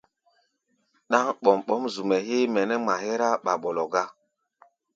Ɗáŋ ɓɔm-ɓɔ́m zu-mɛ́ héé mɛ nɛ́ ŋma hɛ́rá ɓaɓɔlɔ gá.